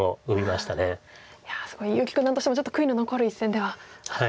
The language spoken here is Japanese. いやすごい結城九段としてもちょっと悔いの残る一戦ではあると。